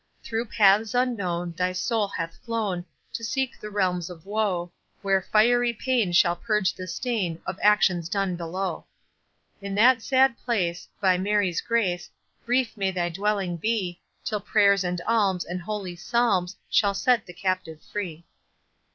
Through paths unknown Thy soul hath flown, To seek the realms of woe, Where fiery pain Shall purge the stain Of actions done below. In that sad place, By Mary's grace, Brief may thy dwelling be Till prayers and alms, And holy psalms, Shall set the captive free.